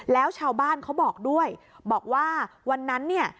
แล้วชาวบ้านเขาบอกด้วยบอกว่าวันนั้นเนี่ย